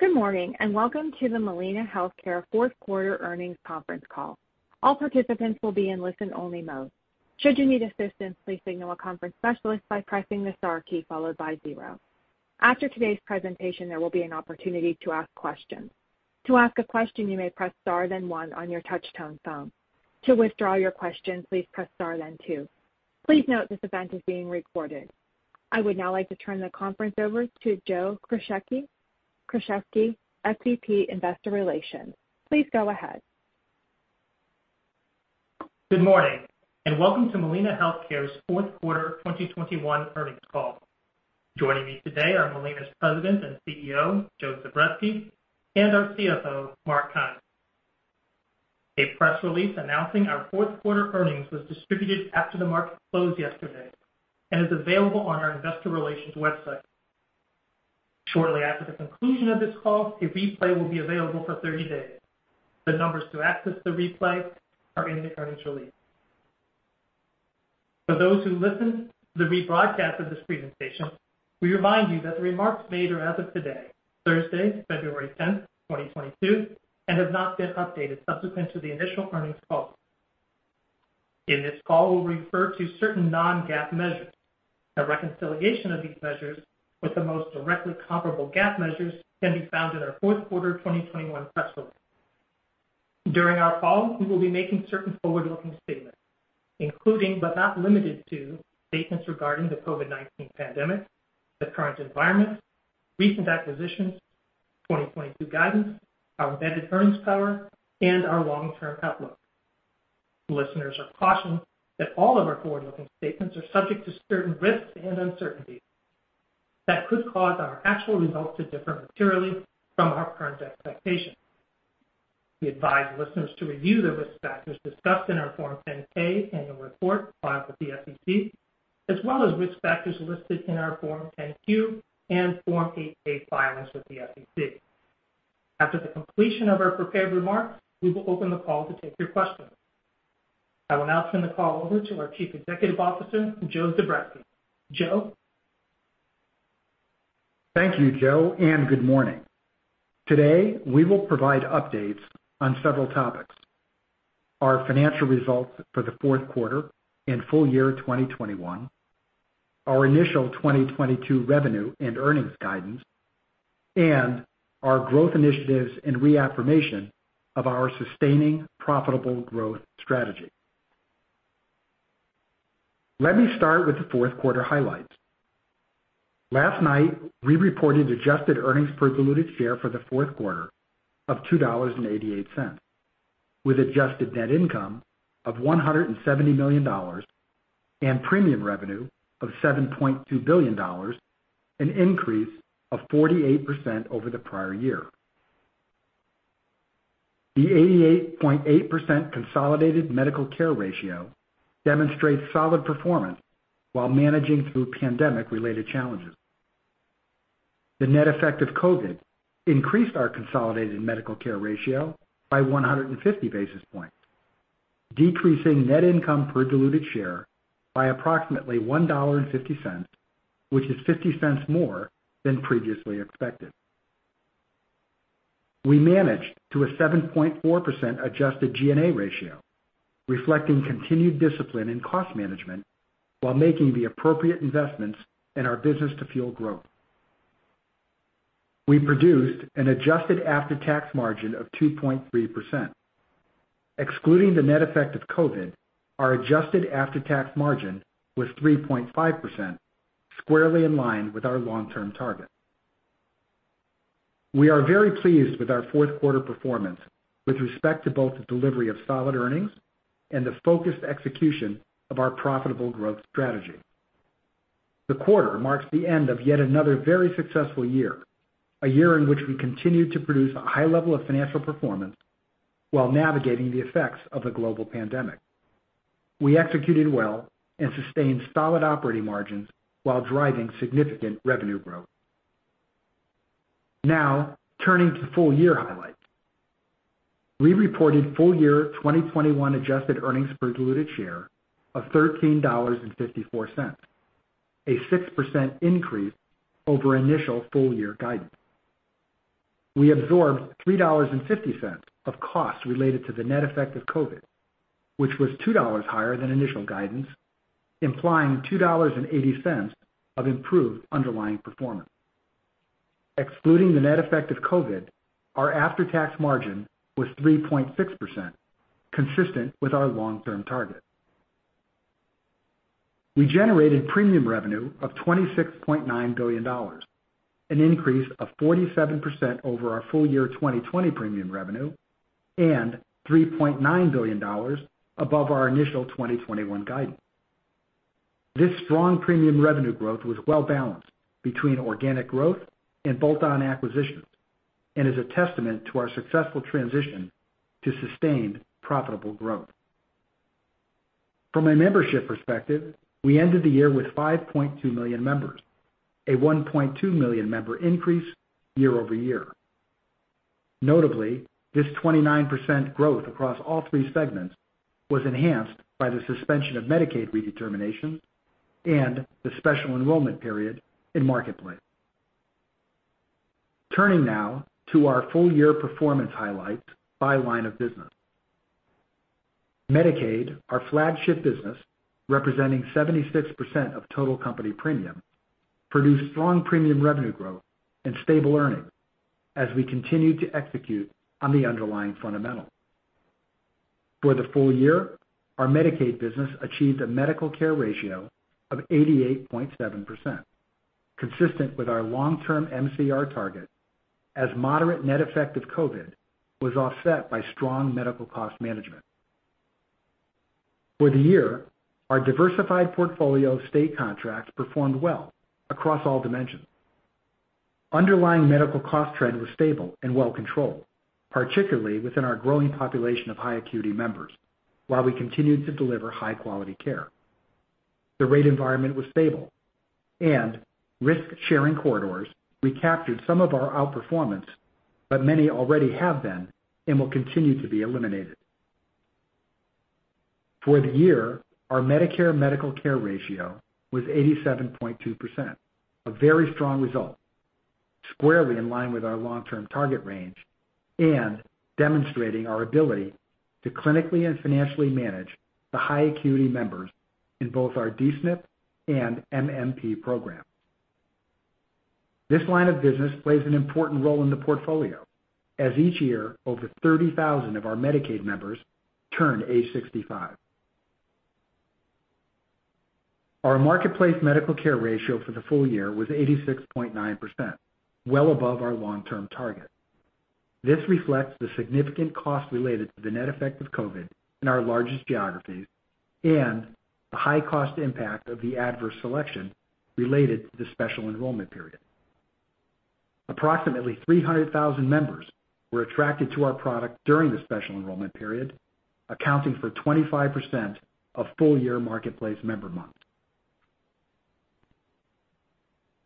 Good morning, and welcome to the Molina Healthcare fourth quarter earnings conference call. All participants will be in listen-only mode. Should you need assistance, please signal a conference specialist by pressing the star key followed by zero. After today's presentation, there will be an opportunity to ask questions. To ask a question, you may press star then one on your touchtone phone. To withdraw your question, please press star then two. Please note this event is being recorded. I would now like to turn the conference over to Joe Kruszewski, SVP, Investor Relations. Please go ahead. Good morning, and welcome to Molina Healthcare's fourth quarter 2021 earnings call. Joining me today are Molina's President and CEO, Joe Zubretsky, and our CFO, Mark Keim. A press release announcing our fourth quarter earnings was distributed after the market closed yesterday and is available on our investor relations website. Shortly after the conclusion of this call, a replay will be available for 30 days. The numbers to access the replay are in the earnings release. For those who listen to the rebroadcast of this presentation, we remind you that the remarks made are as of today, Thursday, February 10, 2022, and have not been updated subsequent to the initial earnings call. In this call, we'll refer to certain Non-GAAP measures. A reconciliation of these measures with the most directly comparable GAAP measures can be found in our fourth quarter 2021 press release. During our call, we will be making certain forward-looking statements, including, but not limited to, statements regarding the COVID-19 pandemic, the current environment, recent acquisitions, 2022 guidance, our embedded earnings power, and our long-term outlook. Listeners are cautioned that all of our forward-looking statements are subject to certain risks and uncertainties that could cause our actual results to differ materially from our current expectations. We advise listeners to review the risk factors discussed in our Form 10-K annual report filed with the SEC, as well as risk factors listed in our Form 10-Q and Form 8-K filings with the SEC. After the completion of our prepared remarks, we will open the call to take your questions. I will now turn the call over to our Chief Executive Officer, Joe Zubretsky. Joe? Thank you, Joe, and good morning. Today, we will provide updates on several topics, our financial results for the fourth quarter and full year 2021, our initial 2022 revenue and earnings guidance, and our growth initiatives and reaffirmation of our sustaining profitable growth strategy. Let me start with the fourth quarter highlights. Last night, we reported adjusted earnings per diluted share for the fourth quarter of $2.88, with adjusted net income of $170 million and premium revenue of $7.2 billion, an increase of 48% over the prior year. The 88.8% consolidated medical care ratio demonstrates solid performance while managing through pandemic-related challenges. The net effect of COVID increased our consolidated medical care ratio by 150 basis points, decreasing net income per diluted share by approximately $1.50, which is $0.50 more than previously expected. We managed to a 7.4% adjusted G&A ratio, reflecting continued discipline in cost management while making the appropriate investments in our business to fuel growth. We produced an adjusted after-tax margin of 2.3%. Excluding the net effect of COVID, our adjusted after-tax margin was 3.5%, squarely in line with our long-term target. We are very pleased with our fourth quarter performance with respect to both the delivery of solid earnings and the focused execution of our profitable growth strategy. The quarter marks the end of yet another very successful year, a year in which we continued to produce a high level of financial performance while navigating the effects of a global pandemic. We executed well and sustained solid operating margins while driving significant revenue growth. Now, turning to full year highlights. We reported full year 2021 adjusted earnings per diluted share of $13.54, a 6% increase over initial full year guidance. We absorbed $3.50 of costs related to the net effect of COVID, which was $2 higher than initial guidance, implying $2.80 of improved underlying performance. Excluding the net effect of COVID, our after-tax margin was 3.6%, consistent with our long-term target. We generated premium revenue of $26.9 billion, an increase of 47% over our full year 2020 premium revenue, and $3.9 billion above our initial 2021 guidance. This strong premium revenue growth was well-balanced between organic growth and bolt-on acquisitions and is a testament to our successful transition to sustained profitable growth. From a membership perspective, we ended the year with 5.2 million members, a 1.2 million member increase year-over-year. Notably, this 29% growth across all three segments was enhanced by the suspension of Medicaid redeterminations and the special enrollment period in Marketplace. Turning now to our full year performance highlights by line of business. Medicaid, our flagship business, representing 76% of total company premium, produced strong premium revenue growth and stable earnings as we continue to execute on the underlying fundamentals. For the full year, our Medicaid business achieved a medical care ratio of 88.7%, consistent with our long-term MCR target as moderate net effect of COVID was offset by strong medical cost management. For the year, our diversified portfolio of state contracts performed well across all dimensions. Underlying medical cost trend was stable and well controlled, particularly within our growing population of high acuity members, while we continued to deliver high quality care. The rate environment was stable and risk-sharing corridors recaptured some of our outperformance, but many already have been and will continue to be eliminated. For the year, our Medicare medical care ratio was 87.2%, a very strong result, squarely in line with our long-term target range and demonstrating our ability to clinically and financially manage the high acuity members in both our DSNP and MMP program. This line of business plays an important role in the portfolio as each year over 30,000 of our Medicaid members turn age 65. Our Marketplace medical care ratio for the full year was 86.9%, well above our long-term target. This reflects the significant cost related to the net effect of COVID in our largest geographies and the high cost impact of the adverse selection related to the special enrollment period. Approximately 300,000 members were attracted to our product during the special enrollment period, accounting for 25% of full year Marketplace member months.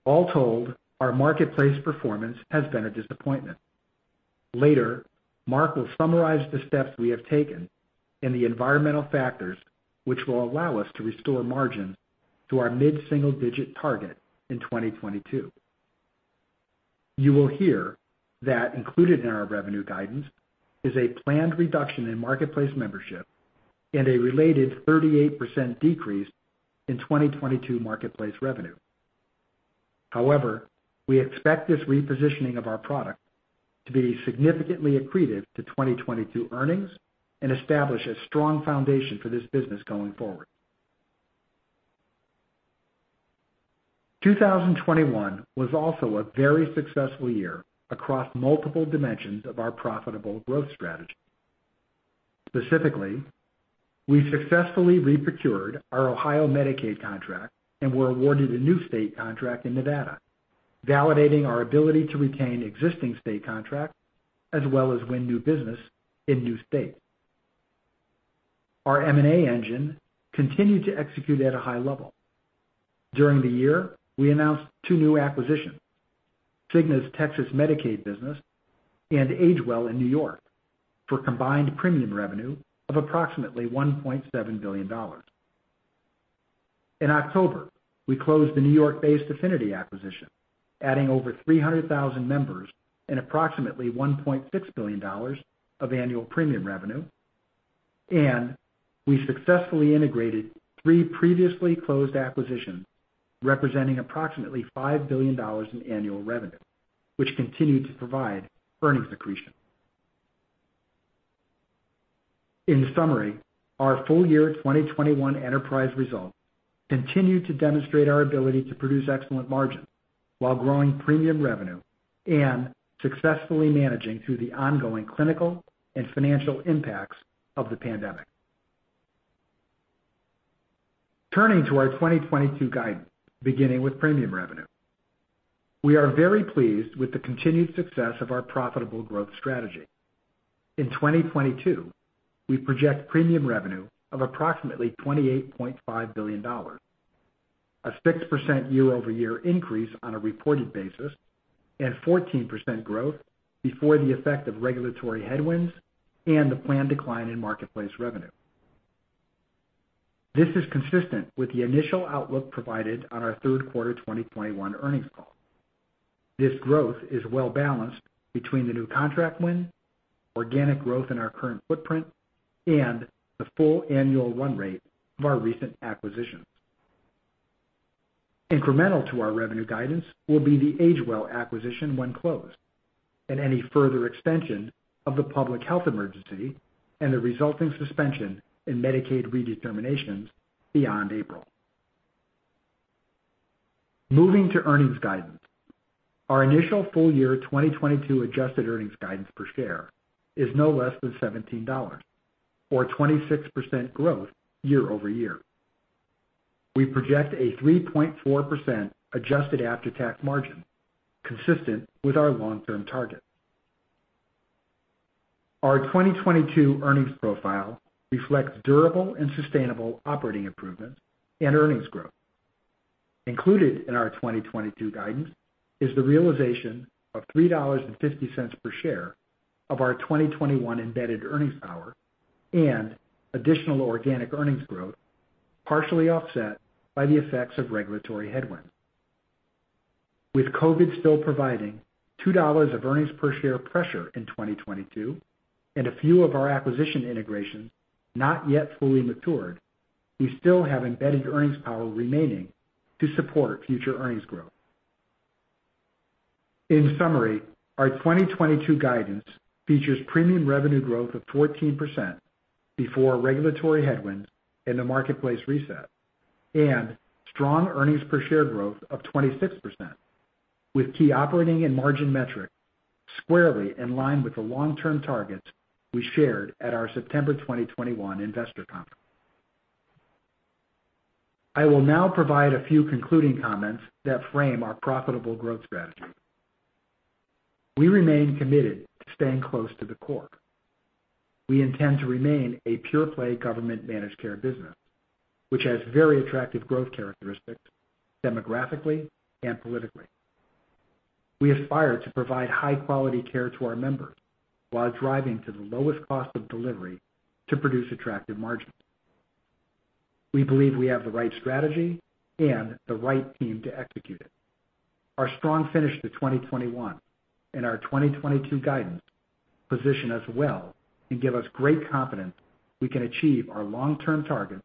All told, our Marketplace performance has been a disappointment. Later, Mark will summarize the steps we have taken and the environmental factors which will allow us to restore margins to our mid-single digit target in 2022. You will hear that included in our revenue guidance is a planned reduction in Marketplace membership and a related 38% decrease in 2022 Marketplace revenue. However, we expect this repositioning of our product to be significantly accretive to 2022 earnings and establish a strong foundation for this business going forward. 2021 was also a very successful year across multiple dimensions of our profitable growth strategy. Specifically, we successfully re-procured our Ohio Medicaid contract and were awarded a new state contract in Nevada, validating our ability to retain existing state contracts as well as win new business in new states. Our M&A engine continued to execute at a high level. During the year, we announced two new acquisitions, Cigna's Texas Medicaid business and AgeWell New York, for combined premium revenue of approximately $1.7 billion. In October, we closed the New York-based Affinity acquisition, adding over 300,000 members and approximately $1.6 billion of annual premium revenue. We successfully integrated three previously closed acquisitions, representing approximately $5 billion in annual revenue, which continued to provide earnings accretion. In summary, our full year 2021 enterprise results continue to demonstrate our ability to produce excellent margins while growing premium revenue and successfully managing through the ongoing clinical and financial impacts of the pandemic. Turning to our 2022 guidance, beginning with premium revenue. We are very pleased with the continued success of our profitable growth strategy. In 2022, we project premium revenue of approximately $28.5 billion, a 6% year-over-year increase on a reported basis, and 14% growth before the effect of regulatory headwinds and the planned decline in Marketplace revenue. This is consistent with the initial outlook provided on our third quarter 2021 earnings call. This growth is well-balanced between the new contract wins, organic growth in our current footprint, and the full annual run rate of our recent acquisitions. Incremental to our revenue guidance will be the AgeWell acquisition when closed, and any further extension of the public health emergency and the resulting suspension in Medicaid redeterminations beyond April. Moving to earnings guidance. Our initial full year 2022 adjusted earnings guidance per share is no less than $17 or 26% growth year-over-year. We project a 3.4% adjusted after-tax margin consistent with our long-term target. Our 2022 earnings profile reflects durable and sustainable operating improvements and earnings growth. Included in our 2022 guidance is the realization of $3.50 per share of our 2021 embedded earnings power and additional organic earnings growth, partially offset by the effects of regulatory headwinds. With COVID still providing $2 of earnings per share pressure in 2022 and a few of our acquisition integrations not yet fully matured, we still have embedded earnings power remaining to support future earnings growth. In summary, our 2022 guidance features premium revenue growth of 14% before regulatory headwinds in the Marketplace reset and strong earnings per share growth of 26%, with key operating and margin metrics squarely in line with the long-term targets we shared at our September 2021 investor conference. I will now provide a few concluding comments that frame our profitable growth strategy. We remain committed to staying close to the core. We intend to remain a pure-play government managed care business, which has very attractive growth characteristics demographically and politically. We aspire to provide high-quality care to our members while driving to the lowest cost of delivery to produce attractive margins. We believe we have the right strategy and the right team to execute it. Our strong finish to 2021 and our 2022 guidance position us well and give us great confidence we can achieve our long-term targets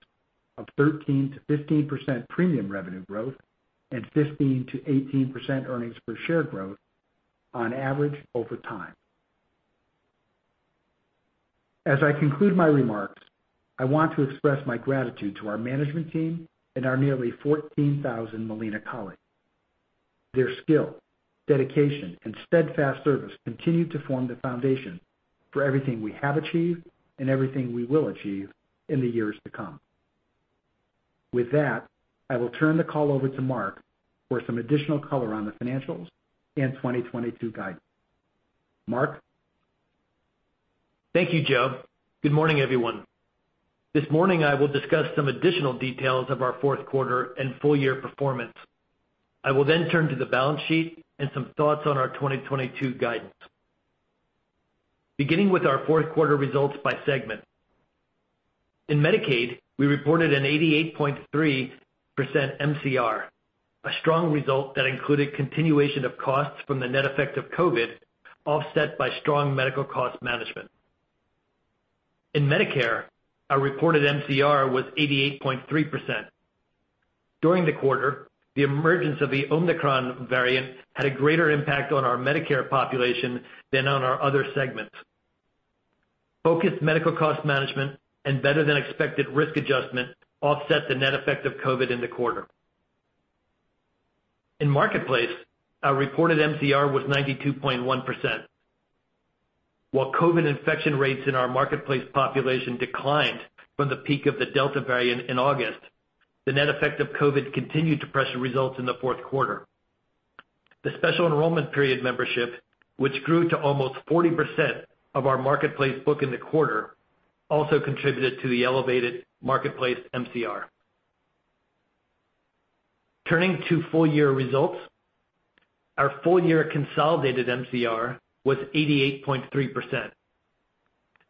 of 13%-15% premium revenue growth and 15%-18% earnings per share growth on average over time. As I conclude my remarks, I want to express my gratitude to our management team and our nearly 14,000 Molina colleagues. Their skill, dedication, and steadfast service continue to form the foundation for everything we have achieved and everything we will achieve in the years to come. With that, I will turn the call over to Mark for some additional color on the financials and 2022 guidance. Mark? Thank you, Joe. Good morning, everyone. This morning, I will discuss some additional details of our fourth quarter and full-year performance. I will then turn to the balance sheet and some thoughts on our 2022 guidance. Beginning with our fourth quarter results by segment. In Medicaid, we reported an 88.3% MCR, a strong result that included continuation of costs from the net effect of COVID, offset by strong medical cost management. In Medicare, our reported MCR was 88.3%. During the quarter, the emergence of the Omicron variant had a greater impact on our Medicare population than on our other segments. Focused medical cost management and better than expected risk adjustment offset the net effect of COVID in the quarter. In Marketplace, our reported MCR was 92.1%. While COVID infection rates in our Marketplace population declined from the peak of the Delta variant in August, the net effect of COVID continued to pressure results in the fourth quarter. The special enrollment period membership, which grew to almost 40% of our Marketplace book in the quarter, also contributed to the elevated Marketplace MCR. Turning to full-year results. Our full-year consolidated MCR was 88.3%.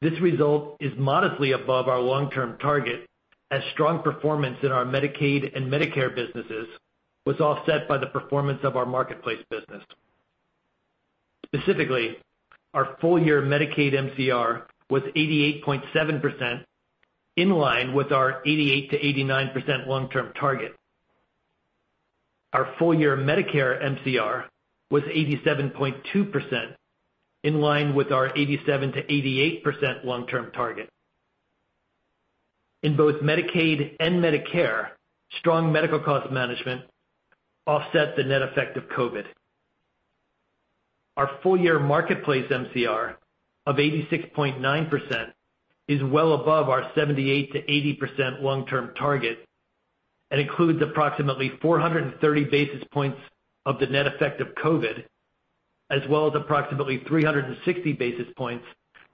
This result is modestly above our long-term target, as strong performance in our Medicaid and Medicare businesses was offset by the performance of our Marketplace business. Specifically, our full-year Medicaid MCR was 88.7%, in line with our 88%-89% long-term target. Our full-year Medicare MCR was 87.2%, in line with our 87%-88% long-term target. In both Medicaid and Medicare, strong medical cost management offset the net effect of COVID. Our full-year Marketplace MCR of 86.9% is well above our 78%-80% long-term target and includes approximately 430 basis points of the net effect of COVID, as well as approximately 360 basis points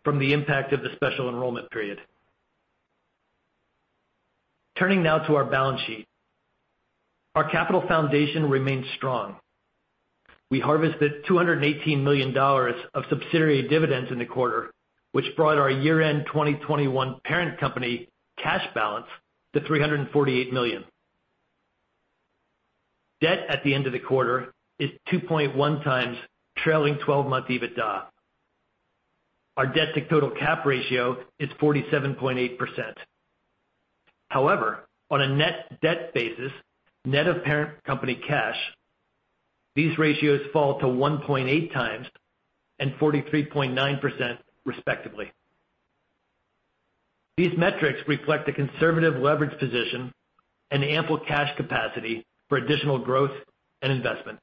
from the impact of the special enrollment period. Turning now to our balance sheet. Our capital foundation remains strong. We harvested $218 million of subsidiary dividends in the quarter, which brought our year-end 2021 parent company cash balance to $348 million. Debt at the end of the quarter is 2.1x trailing 12 month EBITDA. Our debt-to-total cap ratio is 47.8%. However, on a net debt basis, net of parent company cash, these ratios fall to 1.8x and 43.9%, respectively. These metrics reflect a conservative leverage position and ample cash capacity for additional growth and investment.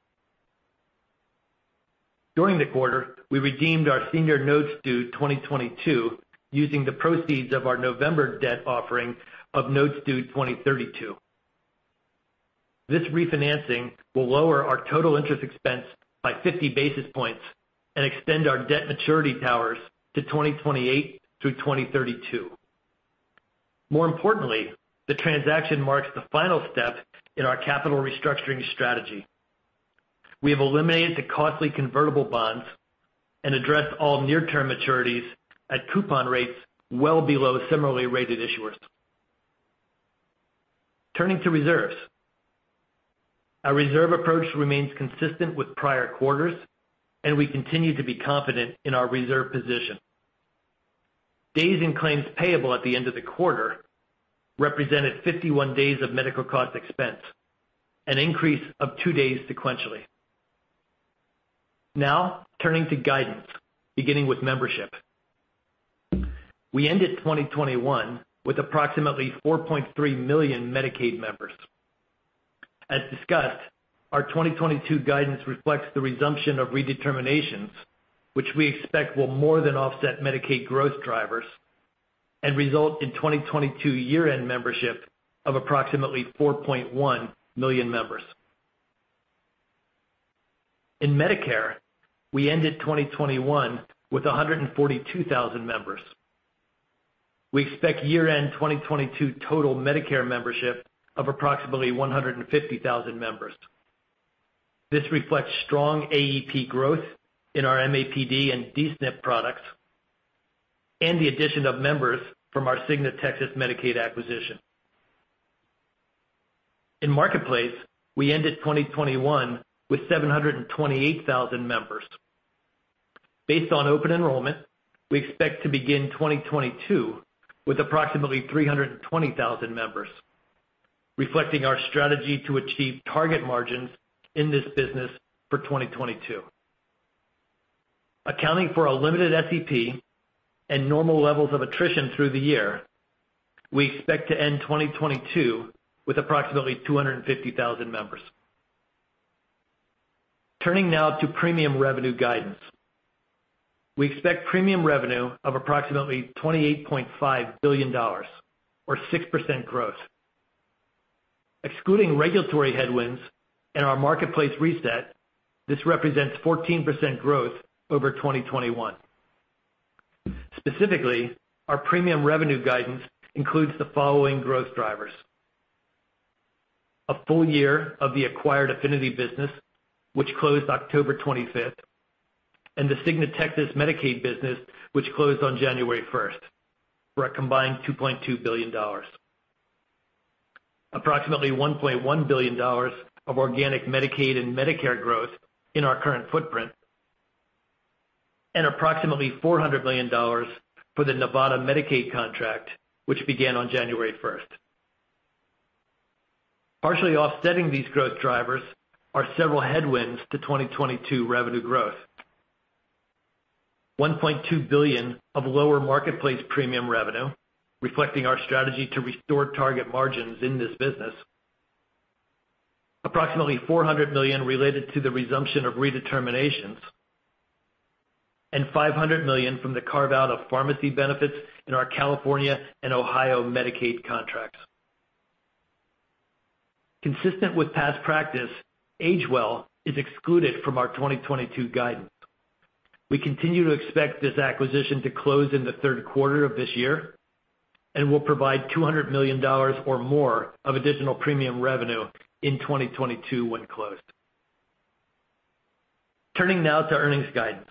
During the quarter, we redeemed our senior notes due 2022 using the proceeds of our November debt offering of notes due 2032. This refinancing will lower our total interest expense by 50 basis points and extend our debt maturity towers to 2028 through 2032. More importantly, the transaction marks the final step in our capital restructuring strategy. We have eliminated the costly convertible bonds and addressed all near-term maturities at coupon rates well below similarly rated issuers. Turning to reserves. Our reserve approach remains consistent with prior quarters, and we continue to be confident in our reserve position. Days in claims payable at the end of the quarter represented 51 days of medical cost expense, an increase of two days sequentially. Now, turning to guidance, beginning with membership. We ended 2021 with approximately 4.3 million Medicaid members. As discussed, our 2022 guidance reflects the resumption of redeterminations, which we expect will more than offset Medicaid growth drivers and result in 2022 year-end membership of approximately 4.1 million members. In Medicare, we ended 2021 with 142,000 members. We expect year-end 2022 total Medicare membership of approximately 150,000 members. This reflects strong AEP growth in our MAPD and D-SNP products and the addition of members from our Cigna Texas Medicaid acquisition. In Marketplace, we ended 2021 with 728,000 members. Based on open enrollment, we expect to begin 2022 with approximately 320,000 members, reflecting our strategy to achieve target margins in this business for 2022. Accounting for a limited SEP and normal levels of attrition through the year, we expect to end 2022 with approximately 250,000 members. Turning now to premium revenue guidance. We expect premium revenue of approximately $28.5 billion or 6% growth. Excluding regulatory headwinds and our Marketplace reset, this represents 14% growth over 2021. Specifically, our premium revenue guidance includes the following growth drivers. A full year of the acquired Affinity business, which closed October 25, and the Cigna Texas Medicaid business, which closed on January 1, for a combined $2.2 billion. Approximately $1.1 billion of organic Medicaid and Medicare growth in our current footprint, and approximately $400 million for the Nevada Medicaid contract, which began on January 1. Partially offsetting these growth drivers are several headwinds to 2022 revenue growth. $1.2 billion of lower Marketplace premium revenue, reflecting our strategy to restore target margins in this business. Approximately $400 million related to the resumption of redeterminations, and $500 million from the carve-out of pharmacy benefits in our California and Ohio Medicaid contracts. Consistent with past practice, AgeWell is excluded from our 2022 guidance. We continue to expect this acquisition to close in the third quarter of this year and will provide $200 million or more of additional premium revenue in 2022 when closed. Turning now to earnings guidance.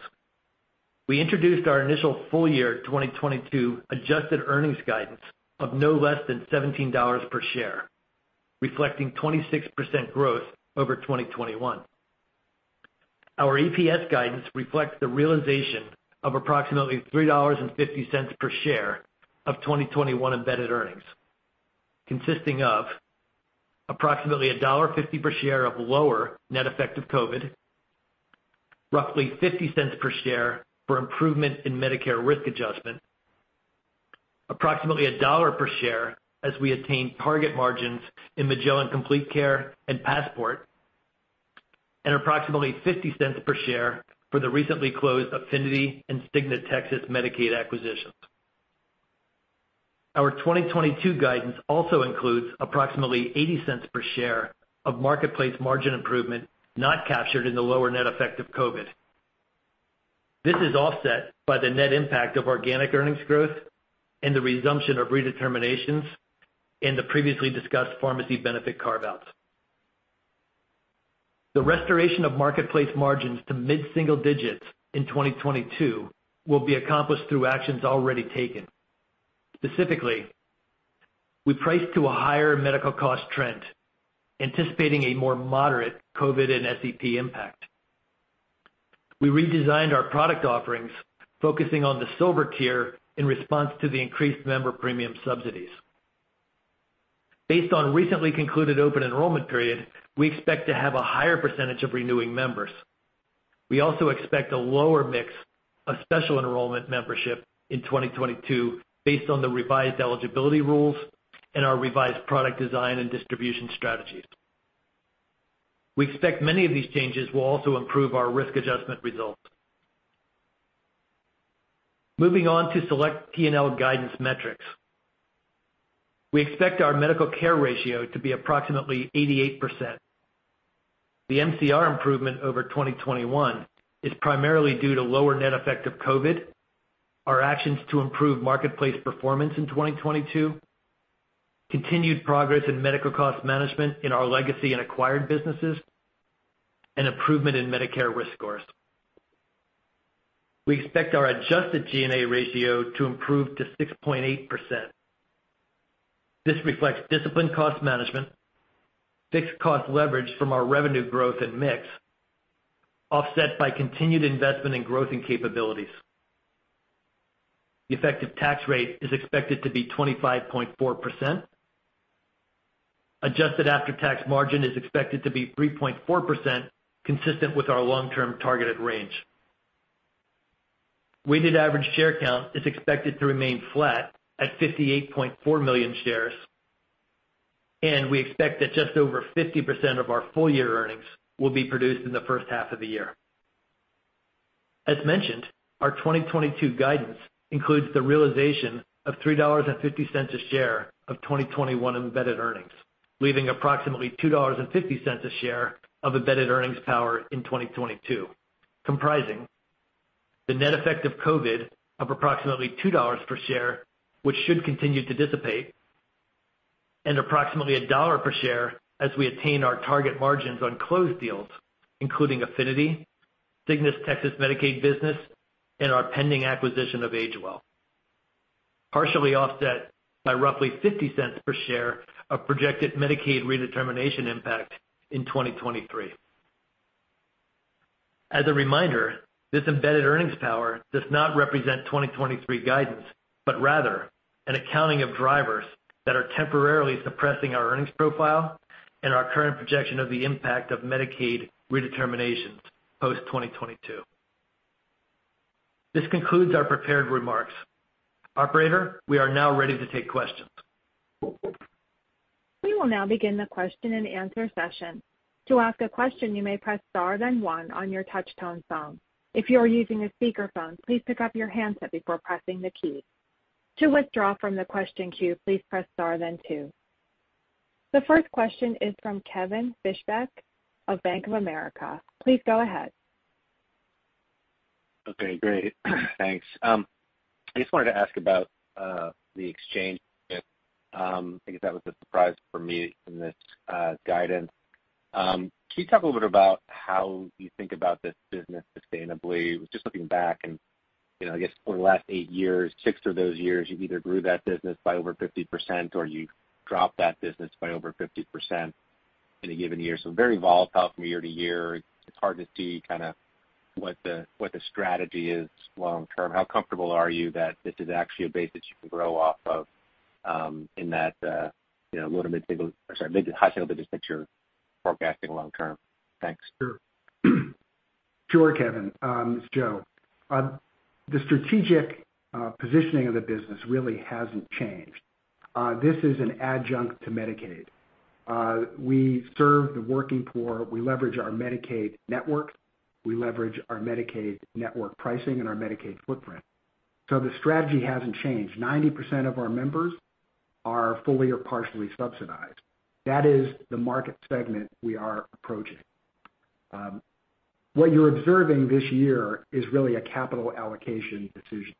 We introduced our initial full-year 2022 adjusted earnings guidance of no less than $17 per share, reflecting 26% growth over 2021. Our EPS guidance reflects the realization of approximately $3.50 per share of 2021 embedded earnings, consisting of approximately $1.50 per share of lower net effect of COVID, roughly $0.50 per share for improvement in Medicare risk adjustment, approximately $1 per share as we attain target margins in Magellan Complete Care and Passport, and approximately $0.50 per share for the recently closed Affinity and Cigna Texas Medicaid acquisitions. Our 2022 guidance also includes approximately $0.80 per share of Marketplace margin improvement not captured in the lower net effect of COVID. This is offset by the net impact of organic earnings growth and the resumption of redeterminations in the previously discussed pharmacy benefit carve-outs. The restoration of Marketplace margins to mid-single digits in 2022 will be accomplished through actions already taken. Specifically, we priced to a higher medical cost trend, anticipating a more moderate COVID and SEP impact. We redesigned our product offerings, focusing on the silver tier in response to the increased member premium subsidies. Based on recently concluded open enrollment period, we expect to have a higher percentage of renewing members. We also expect a lower mix of special enrollment membership in 2022 based on the revised eligibility rules and our revised product design and distribution strategies. We expect many of these changes will also improve our risk adjustment results. Moving on to select P&L guidance metrics. We expect our medical care ratio to be approximately 88%. The MCR improvement over 2021 is primarily due to lower net effect of COVID, our actions to improve Marketplace performance in 2022, continued progress in medical cost management in our legacy and acquired businesses, and improvement in Medicare risk scores. We expect our adjusted G&A ratio to improve to 6.8%. This reflects disciplined cost management, fixed cost leverage from our revenue growth and mix, offset by continued investment in growth and capabilities. The effective tax rate is expected to be 25.4%. Adjusted after-tax margin is expected to be 3.4%, consistent with our long-term targeted range. Weighted average share count is expected to remain flat at 58.4 million shares, and we expect that just over 50% of our full year earnings will be produced in the first half of the year. As mentioned, our 2022 guidance includes the realization of $3.50 a share of 2021 embedded earnings, leaving approximately $2.50 a share of embedded earnings power in 2022, comprising the net effect of COVID of approximately $2 per share, which should continue to dissipate, and approximately $1 per share as we attain our target margins on closed deals, including Affinity, Cigna's Texas Medicaid business, and our pending acquisition of AgeWell, partially offset by roughly $0.50 per share of projected Medicaid redetermination impact in 2023. As a reminder, this embedded earnings power does not represent 2023 guidance, but rather an accounting of drivers that are temporarily suppressing our earnings profile and our current projection of the impact of Medicaid redeterminations post-2022. This concludes our prepared remarks. Operator, we are now ready to take questions. We will now begin the question and answer session. To ask a question, you may press Star then One on your touchtone phone. If you are using a speakerphone, please pick up your handset before pressing the key. To withdraw from the question queue, please press Star then Two. The first question is from Kevin Fischbeck of Bank of America. Please go ahead. Okay, great. Thanks. I just wanted to ask about the exchange bit because that was a surprise for me in this guidance. Can you talk a little bit about how you think about this business sustainably? Just looking back and, you know, I guess over the last 8 years, six of those years you either grew that business by over 50% or you dropped that business by over 50% in a given year. So very volatile from year to year. It's hard to see kinda what the strategy is long term. How comfortable are you that this is actually a base that you can grow off of in that, you know, mid- to high-single-digit % that you're forecasting long term? Thanks. Sure. Sure, Kevin. This is Joe. The strategic positioning of the business really hasn't changed. This is an adjunct to Medicaid. We serve the working poor. We leverage our Medicaid network. We leverage our Medicaid network pricing and our Medicaid footprint. The strategy hasn't changed. 90% of our members are fully or partially subsidized. That is the market segment we are approaching. What you're observing this year is really a capital allocation decision.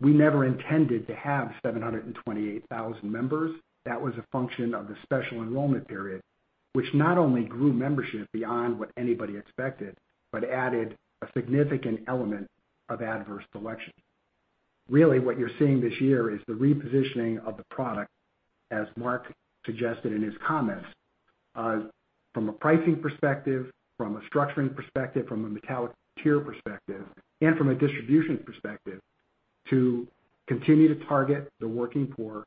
We never intended to have 728,000 members. That was a function of the special enrollment period, which not only grew membership beyond what anybody expected, but added a significant element of adverse selection. Really, what you're seeing this year is the repositioning of the product, as Mark suggested in his comments, from a pricing perspective, from a structuring perspective, from a metal tier perspective, and from a distribution perspective, to continue to target the working poor,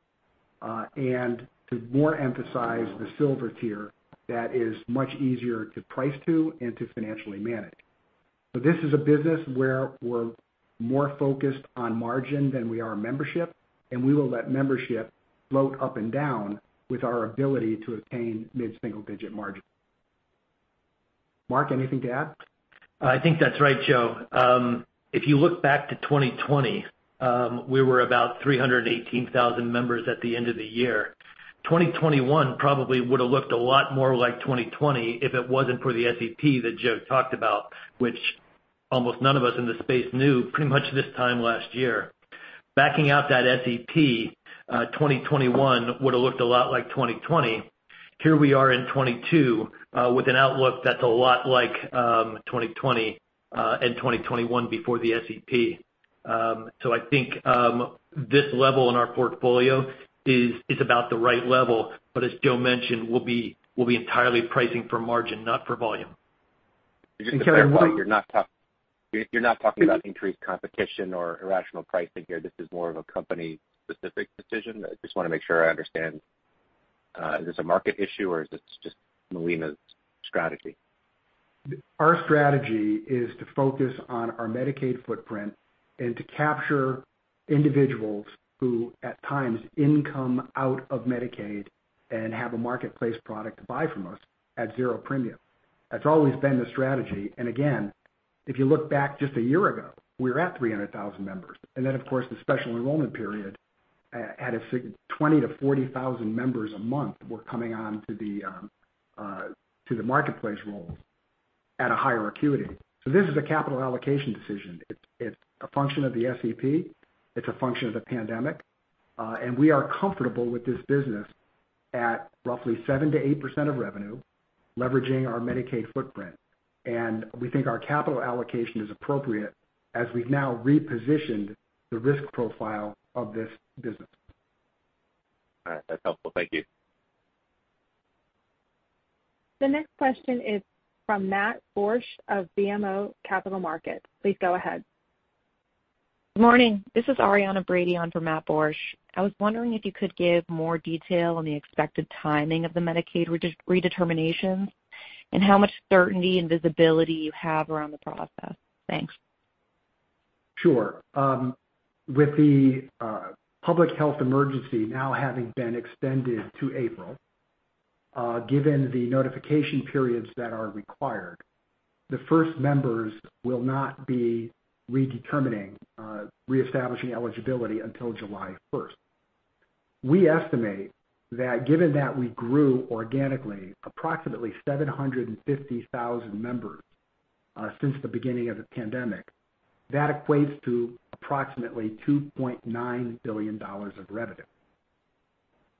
and to more emphasize the silver tier that is much easier to price to and to financially manage. This is a business where we're more focused on margin than we are membership, and we will let membership float up and down with our ability to obtain mid-single digit margin. Mark, anything to add? I think that's right, Joe. If you look back to 2020, we were about 318,000 members at the end of the year. 2021 probably would have looked a lot more like 2020 if it wasn't for the SEP that Joe talked about, which almost none of us in this space knew pretty much this time last year. Backing out that SEP, 2021 would have looked a lot like 2020. Here we are in 2022 with an outlook that's a lot like 2020 and 2021 before the SEP. I think this level in our portfolio is about the right level, but as Joe mentioned, we'll be entirely pricing for margin, not for volume. Just to clarify, you're not talking about increased competition or irrational pricing here. This is more of a company-specific decision? I just wanna make sure I understand. Is this a market issue or is this just Molina's strategy? Our strategy is to focus on our Medicaid footprint and to capture individuals who, at times, income out of Medicaid and have a Marketplace product to buy from us at zero premium. That's always been the strategy. Again, if you look back just a year ago, we were at 300,000 members. Then, of course, the special enrollment period 20,000-40,000 members a month were coming on to the Marketplace rolls at a higher acuity. This is a capital allocation decision. It's a function of the SEP. It's a function of the pandemic. We are comfortable with this business at roughly 7%-8% of revenue, leveraging our Medicaid footprint. We think our capital allocation is appropriate as we've now repositioned the risk profile of this business. All right. That's helpful. Thank you. The next question is from Matt Borsch of BMO Capital Markets. Please go ahead. Good morning. This is Arianna Brady for Matt Borsch. I was wondering if you could give more detail on the expected timing of the Medicaid redeterminations and how much certainty and visibility you have around the process. Thanks. Sure. With the public health emergency now having been extended to April, given the notification periods that are required, the first members will not be redetermining, reestablishing eligibility until July first. We estimate that given that we grew organically approximately 750,000 members since the beginning of the pandemic, that equates to approximately $2.9 billion of revenue.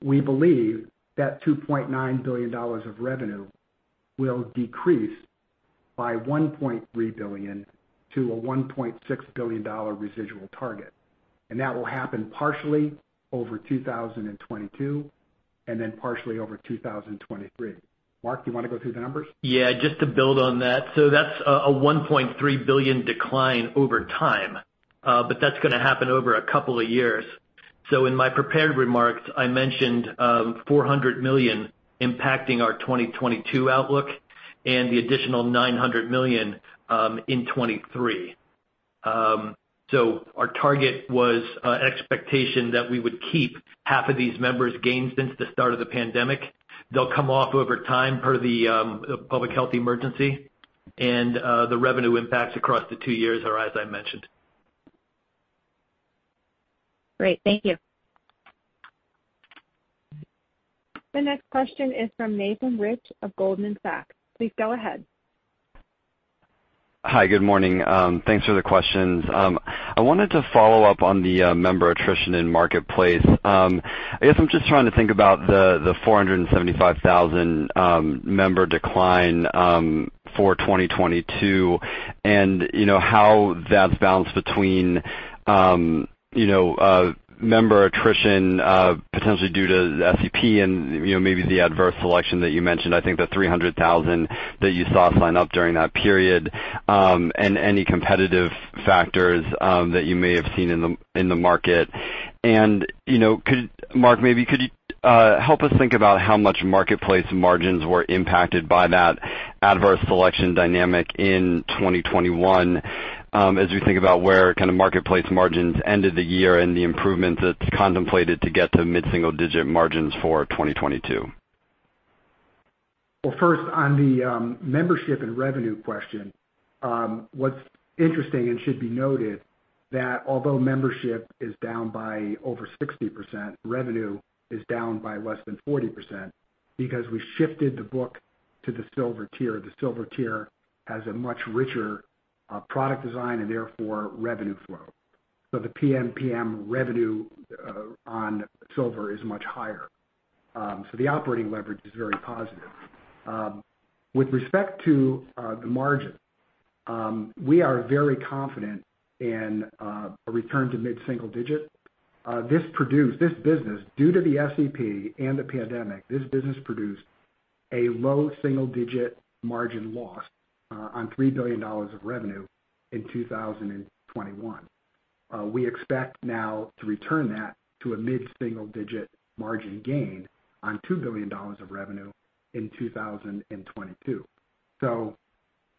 We believe that $2.9 billion of revenue will decrease by $1.3 billion-$1.6 billion residual target. That will happen partially over 2022, and then partially over 2023. Mark, do you wanna go through the numbers? Yeah, just to build on that. That's a $1.3 billion decline over time, but that's gonna happen over a couple of years. In my prepared remarks, I mentioned $400 million impacting our 2022 outlook and the additional $900 million in 2023. Our target was an expectation that we would keep half of these members gained since the start of the pandemic. They'll come off over time per the public health emergency. The revenue impacts across the two years are as I mentioned. Great. Thank you. The next question is from Nathan Rich of Goldman Sachs. Please go ahead. Hi, good morning. Thanks for the questions. I wanted to follow up on the member attrition in Marketplace. I guess I'm just trying to think about the 475,000 member decline for 2022, and you know, how that's balanced between you know, member attrition potentially due to the SEP and, you know, maybe the adverse selection that you mentioned, I think the 300,000 that you saw sign up during that period, and any competitive factors that you may have seen in the market. You know, Mark, maybe could you help us think about how much Marketplace margins were impacted by that adverse selection dynamic in 2021, as we think about where kind of Marketplace margins ended the year and the improvements that's contemplated to get to mid-single digit margins for 2022? Well, first on the membership and revenue question, what's interesting and should be noted, that although membership is down by over 60%, revenue is down by less than 40% because we shifted the book to the silver tier. The silver tier has a much richer product design and therefore revenue flow. The PMPM revenue on silver is much higher. The operating leverage is very positive. With respect to the margin, we are very confident in a return to mid-single digit. This business, due to the SEP and the pandemic, produced a low single digit margin loss on $3 billion of revenue in 2021. We expect now to return that to a mid-single digit margin gain on $2 billion of revenue in 2022.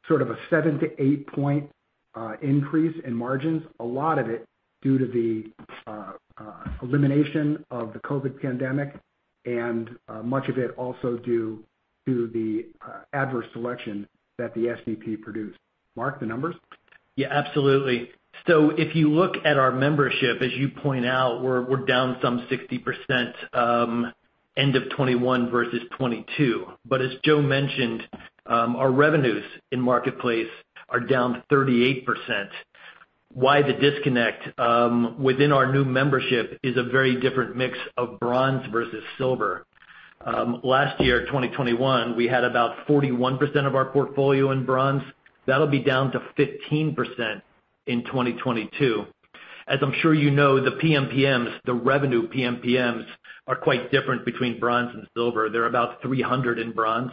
Sort of a seven to eight point increase in margins, a lot of it due to the elimination of the COVID pandemic and much of it also due to the adverse selection that the SEP produced. Mark, the numbers? Yeah, absolutely. If you look at our membership, as you point out, we're down some 60%, end of 2021 versus 2022. As Joe mentioned, our revenues in Marketplace are down 38%. Why the disconnect? Within our new membership is a very different mix of bronze versus silver. Last year, 2021, we had about 41% of our portfolio in bronze. That'll be down to 15% in 2022. As I'm sure you know, the PMPMs, the revenue PMPMs, are quite different between bronze and silver. They're about $300 in bronze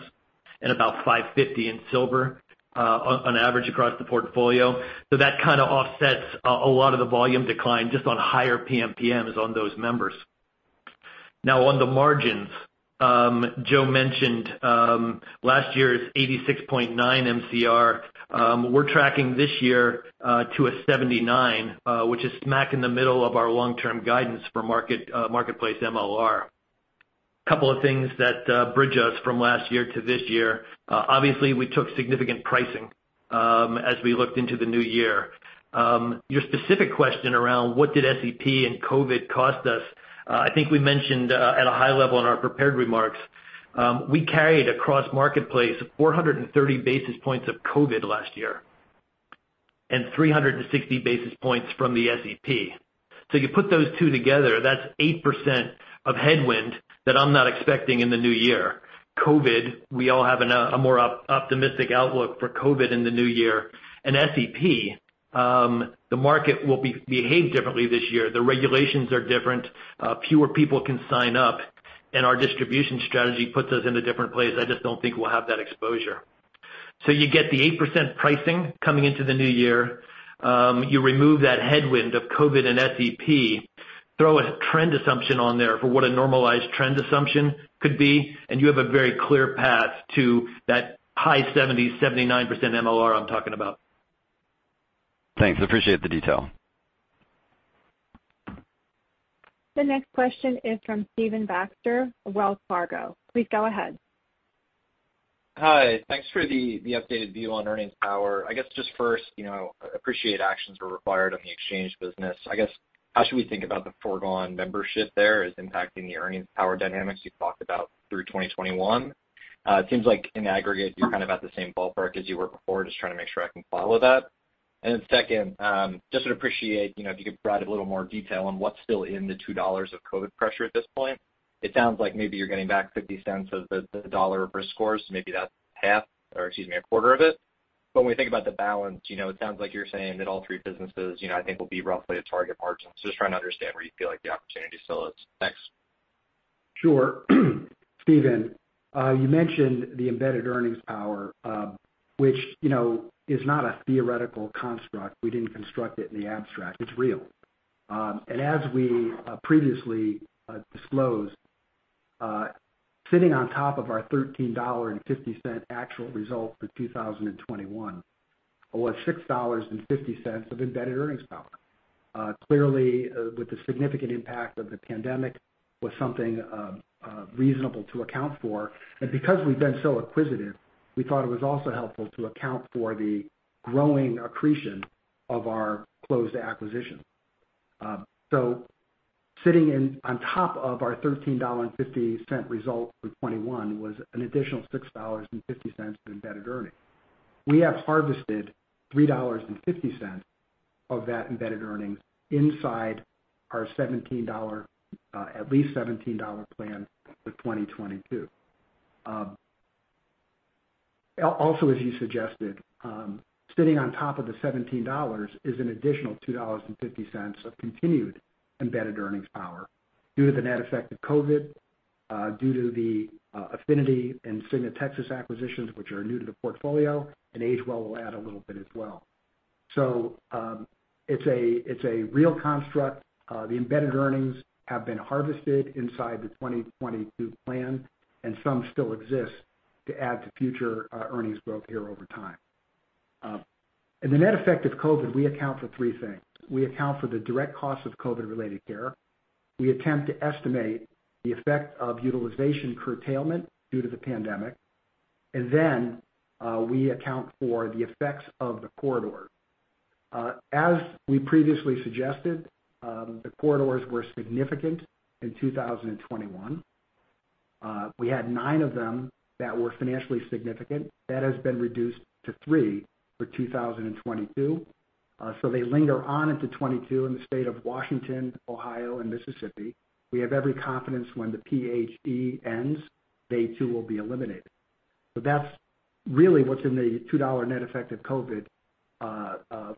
and about $550 in silver, on average across the portfolio. That kinda offsets a lot of the volume decline just on higher PMPMs on those members. Now on the margins, Joe mentioned last year's 86.9 MCR. We're tracking this year to 79%, which is smack in the middle of our long-term guidance for Marketplace MLR. A couple of things that bridge us from last year to this year. Obviously, we took significant pricing as we looked into the new year. Your specific question around what did SEP and COVID cost us, I think we mentioned at a high level in our prepared remarks, we carried across Marketplace 430 basis points of COVID last year, and 360 basis points from the SEP. So you put those two together, that's 8% of headwind that I'm not expecting in the new year. COVID, we all have a more optimistic outlook for COVID in the new year. SEP, the market will behave differently this year. The regulations are different. Fewer people can sign up, and our distribution strategy puts us in a different place. I just don't think we'll have that exposure. You get the 8% pricing coming into the new year. You remove that headwind of COVID and SEP, throw a trend assumption on there for what a normalized trend assumption could be, and you have a very clear path to that high 70s, 79% MLR I'm talking about. Thanks. Appreciate the detail. The next question is from Stephen Baxter, Wells Fargo. Please go ahead. Hi. Thanks for the updated view on earnings power. I guess just first, you know, I appreciate actions were required on the exchange business. I guess, how should we think about the foregone membership there is impacting the earnings power dynamics you've talked about through 2021? It seems like in aggregate, you're kind of at the same ballpark as you were before. Just trying to make sure I can follow that. Second, just would appreciate, you know, if you could provide a little more detail on what's still in the $2 of COVID pressure at this point. It sounds like maybe you're getting back $0.50 of the $1 of risk scores, maybe that's half, or excuse me, a quarter of it. When we think about the balance, you know, it sounds like you're saying that all three businesses, you know, I think will be roughly at target margins. Just trying to understand where you feel like the opportunity still is. Thanks. Sure. Stephen, you mentioned the embedded earnings power, which, you know, is not a theoretical construct. We didn't construct it in the abstract. It's real. As we previously disclosed, sitting on top of our $13.50 actual result for 2021 was $6.50 of embedded earnings power. Clearly, with the significant impact of the pandemic was something reasonable to account for. Because we've been so acquisitive, we thought it was also helpful to account for the growing accretion of our closed acquisition. Sitting on top of our $13.50 result for 2021 was an additional $6.50 of embedded earnings. We have harvested $3.50 of that embedded earnings inside our $17, at least $17 plan for 2022. Also, as you suggested, sitting on top of the $17 is an additional $2.50 of continued embedded earnings power due to the net effect of COVID, due to the Affinity and Cigna Texas acquisitions, which are new to the portfolio, and AgeWell will add a little bit as well. It's a real construct. The embedded earnings have been harvested inside the 2022 plan, and some still exist to add to future earnings growth here over time. The net effect of COVID, we account for three things. We account for the direct cost of COVID-related care, we attempt to estimate the effect of utilization curtailment due to the pandemic, and then we account for the effects of the corridor. As we previously suggested, the corridors were significant in 2021. We had nine of them that were financially significant. That has been reduced to three for 2022. They linger on into 2022 in the state of Washington, Ohio, and Mississippi. We have every confidence when the PHE ends, they too will be eliminated. That's really what's in the $2 net effect of COVID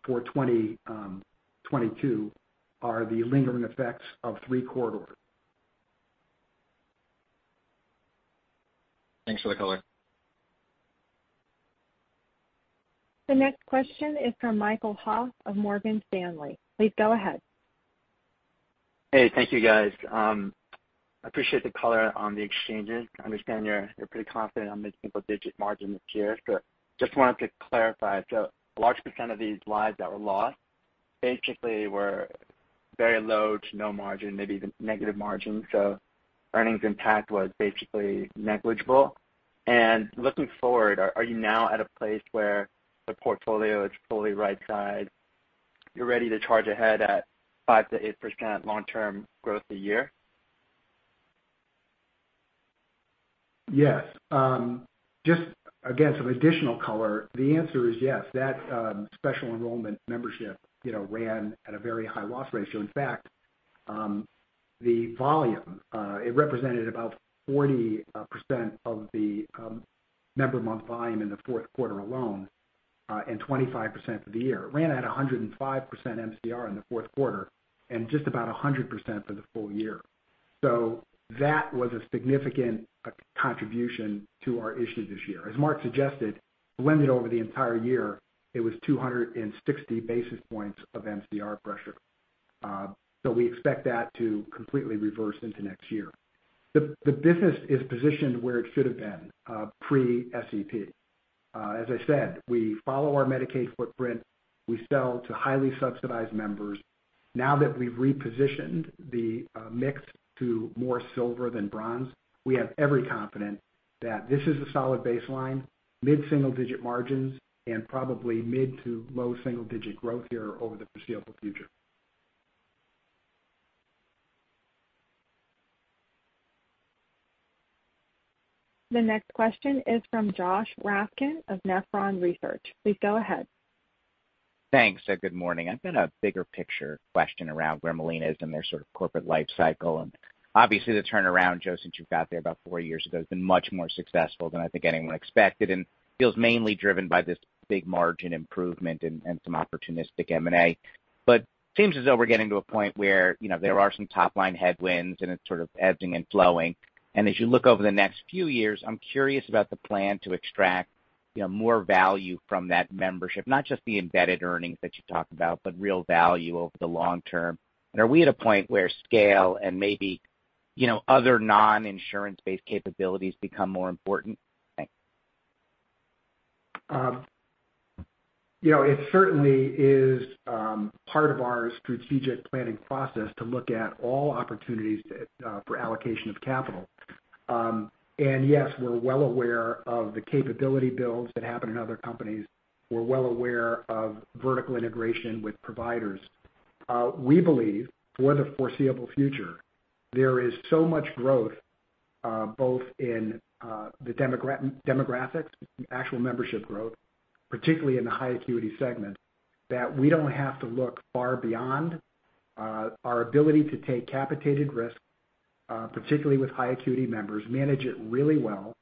for 2022 are the lingering effects of three corridors. Thanks for the color. The next question is from Michael Ha of Morgan Stanley. Please go ahead. Hey, thank you guys. Appreciate the color on the exchanges. I understand you're pretty confident on the single-digit margin this year. Just wanted to clarify. A large percent of these lives that were lost basically were very low to no margin, maybe even negative margin. Earnings impact was basically negligible. Looking forward, are you now at a place where the portfolio is fully right-sized? You're ready to charge ahead at 5%-8% long-term growth a year? Yes. Just again, some additional color. The answer is yes. That special enrollment membership, you know, ran at a very high loss ratio. In fact, the volume it represented about 40% of the member month volume in the fourth quarter alone and 25% for the year. It ran at 105% MCR in the fourth quarter and just about 100% for the full year. That was a significant contribution to our issue this year. As Mark suggested, blended over the entire year, it was 260 basis points of MCR pressure. We expect that to completely reverse into next year. The business is positioned where it should have been pre-SEP. As I said, we follow our Medicaid footprint. We sell to highly subsidized members. Now that we've repositioned the mix to more Silver than Bronze, we have every confidence that this is a solid baseline, mid-single-digit% margins and probably mid- to low-single-digit% growth here over the foreseeable future. The next question is from Josh Raskin of Nephron Research. Please go ahead. Thanks, good morning. I've got a bigger picture question around where Molina is in their sort of corporate life cycle. Obviously the turnaround, Joe, since you've got there about four years ago, has been much more successful than I think anyone expected and feels mainly driven by this big margin improvement and some opportunistic M&A. Seems as though we're getting to a point where, you know, there are some top line headwinds, and it's sort of ebbing and flowing. As you look over the next few years, I'm curious about the plan to extract, you know, more value from that membership, not just the embedded earnings that you talked about, but real value over the long term. Are we at a point where scale and maybe, you know, other non-insurance-based capabilities become more important? Thanks. You know, it certainly is part of our strategic planning process to look at all opportunities for allocation of capital. Yes, we're well aware of the capability builds that happen in other companies. We're well aware of vertical integration with providers. We believe for the foreseeable future, there is so much growth both in the demographics, the actual membership growth, particularly in the high acuity segment, that we don't have to look far beyond our ability to take capitated risk, particularly with high acuity members, manage it really well,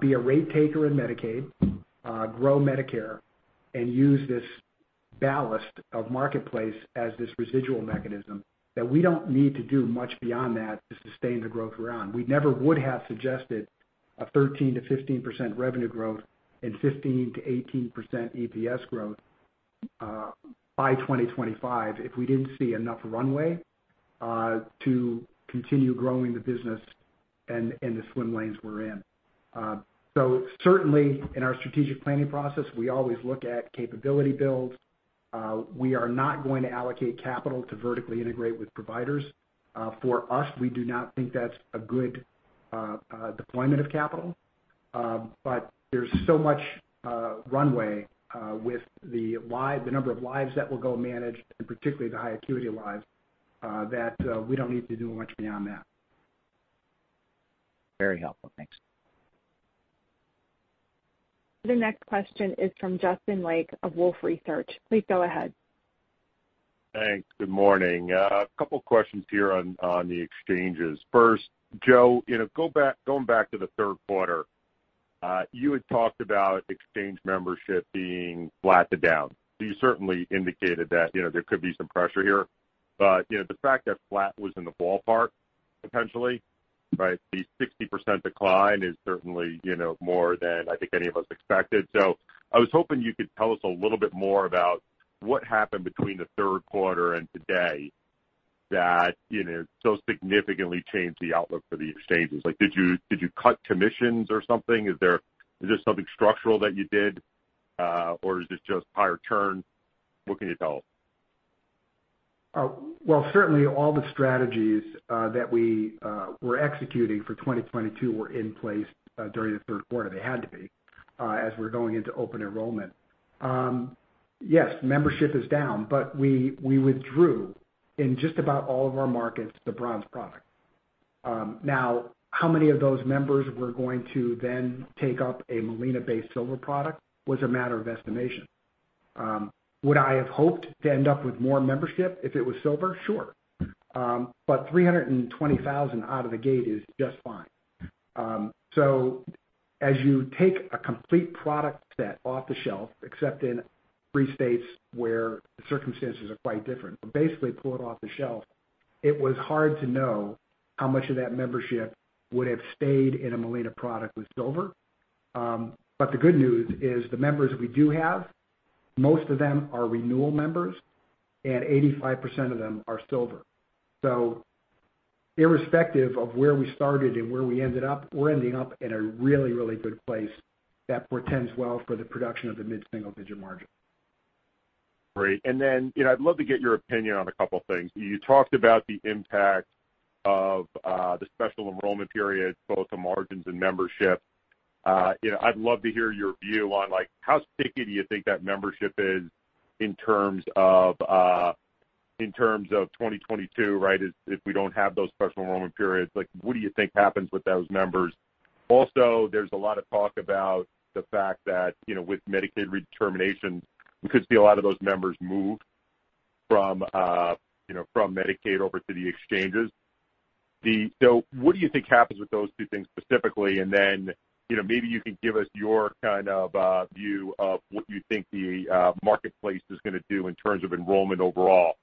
be a rate taker in Medicaid, grow Medicare, and use this ballast of Marketplace as this residual mechanism that we don't need to do much beyond that to sustain the growth we're on. We never would have suggested a 13%-15% revenue growth and 15%-18% EPS growth by 2025 if we didn't see enough runway to continue growing the business and the swim lanes we're in. Certainly in our strategic planning process, we always look at capability builds. We are not going to allocate capital to vertically integrate with providers. For us, we do not think that's a good deployment of capital. There's so much runway with the number of lives that will go managed, and particularly the high acuity lives, that we don't need to do much beyond that. Very helpful. Thanks. The next question is from Justin Lake of Wolfe Research. Please go ahead. Thanks. Good morning. A couple questions here on the exchanges. First, Joe, you know, going back to the third quarter, you had talked about exchange membership being flat to down. You certainly indicated that, you know, there could be some pressure here. You know, the fact that flat was in the ballpark, potentially, but the 60% decline is certainly, you know, more than I think any of us expected. I was hoping you could tell us a little bit more about what happened between the third quarter and today that, you know, so significantly changed the outlook for the exchanges. Like, did you cut commissions or something? Was there something structural that you did, or is it just higher churn? What can you tell? Well, certainly all the strategies that we were executing for 2022 were in place during the third quarter. They had to be as we're going into open enrollment. Yes, membership is down, but we withdrew in just about all of our markets, the bronze product. Now, how many of those members were going to then take up a Molina-based silver product was a matter of estimation. Would I have hoped to end up with more membership if it was silver? Sure. But 320,000 out of the gate is just fine. As you take a complete product set off the shelf, except in three states where the circumstances are quite different, but basically pull it off the shelf, it was hard to know how much of that membership would have stayed in a Molina product with silver. The good news is the members we do have, most of them are renewal members, and 85% of them are silver. Irrespective of where we started and where we ended up, we're ending up in a really, really good place that portends well for the production of the mid-single-digit margin. Great. You know, I'd love to get your opinion on a couple of things. You talked about the impact of the special enrollment period, both the margins and membership. You know, I'd love to hear your view on, like, how sticky do you think that membership is in terms of 2022, right? If we don't have those special enrollment periods, like, what do you think happens with those members? Also, there's a lot of talk about the fact that, you know, with Medicaid redetermination, we could see a lot of those members move from Medicaid over to the exchanges. What do you think happens with those two things specifically? You know, maybe you can give us your kind of view of what you think the Marketplace is gonna do in terms of enrollment overall,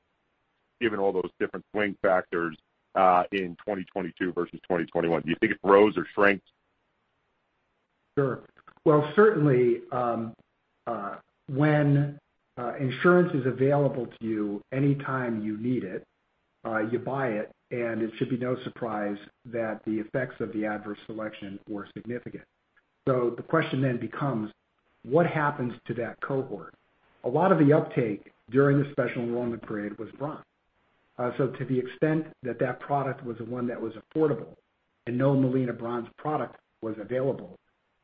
given all those different swing factors in 2022 versus 2021. Do you think it grows or shrinks? Sure. Well, certainly, when insurance is available to you anytime you need it, you buy it, and it should be no surprise that the effects of the adverse selection were significant. The question then becomes, What happens to that cohort? A lot of the uptake during the special enrollment period was bronze. To the extent that that product was the one that was affordable and no Molina bronze product was available,